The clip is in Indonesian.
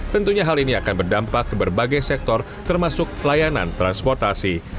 tentunya hal ini akan berdampak ke berbagai sektor termasuk pelayanan transportasi